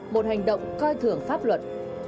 một hành động coi thường pháp luật